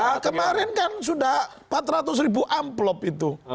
ya kemarin kan sudah empat ratus ribu amplop itu